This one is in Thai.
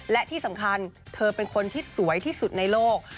และที่สำคัญเธอเป็นคนที่สวยที่สุดในโลก